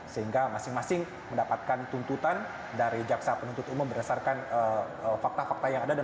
sehingga masing masing mendapatkan tuntutan dari jaksa penuntut umum berdasarkan fakta fakta yang ada